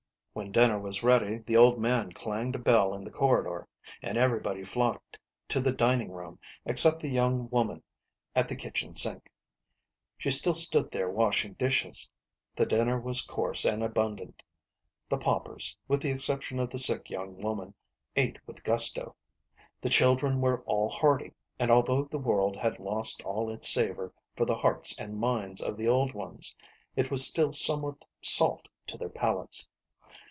When dinner was ready the old man clanged a bell in the corridor, and everybody flocked to the dining room except the young woman at the kitchen sink ; she still stood there washing dishes. The dinner was coarse and abundant. The pau pers, with the exception of the sick young woman, ate with gusto. The children were all hearty, and although the world had lost all its savor for the hearts and minds of the old ones, it was still somewhat salt to their palates.